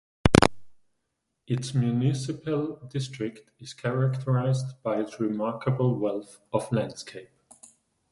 Its municipal district is characterised by its remarkable wealth of landscape.